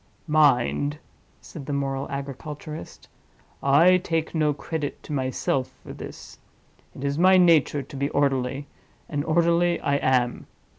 "Mind!" said the moral agriculturist, "I take no credit to myself for this: it is my nature to be orderly, and orderly I am.